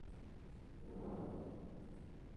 Eanes se presentó a la reelección.